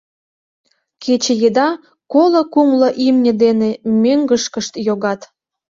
Кече еда коло-кумло имне дене мӧҥгышкышт йогат...